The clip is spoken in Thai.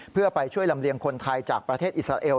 เพื่อไปช่วยลำเลียงคนไทยจากประเทศอิสราเอล